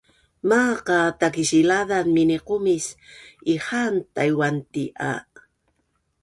Maaq a Takisilazan miniqumis ihaan Tai’uan ti a